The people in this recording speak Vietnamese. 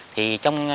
thì trong nhà